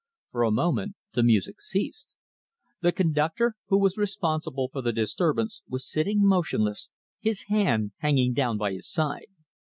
For a moment the music ceased. The conductor, who was responsible for the disturbance, was sitting motionless, his hand hanging down by his side.